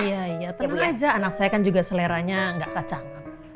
iya iya tentu aja anak saya kan juga seleranya nggak kacang